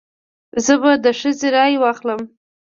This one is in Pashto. زه به د ښځې رای واخلم.